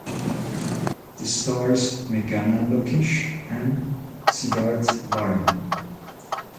It stars Meghana Lokesh and Siddharth Varma.